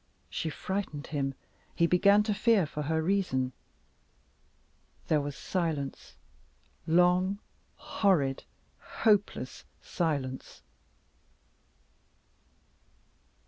She frightened him; he began to fear for her reason. There was silence long, horrid, hopeless silence.